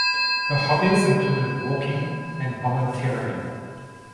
Her hobbies included walking and volunteering.